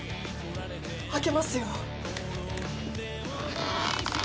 開けますよ。